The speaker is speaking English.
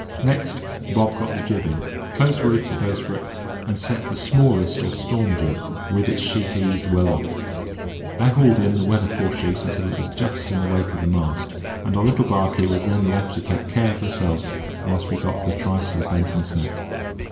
Next, Bob got the jib in, close reefed the bowsprit, and set the smallest or storm jib, with its sheet eased well off. I hauled in the weather fore sheet until it was just in the wake of the mast, and our little barkie was then left to take care of herself whilst we got the trysail bent and set.